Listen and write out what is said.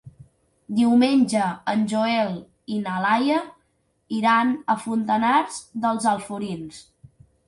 Diumenge en Joel i na Laia iran a Fontanars dels Alforins.